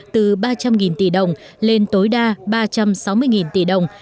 từ ba trăm linh tỷ đồng lên tối đa ba trăm sáu mươi tỷ đồng